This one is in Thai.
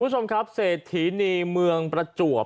คุณผู้ชมครับเศรษฐีนีเมืองประจวบ